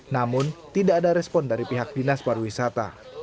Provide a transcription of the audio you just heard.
namun tidak ada respon dari pihak dinas pariwisata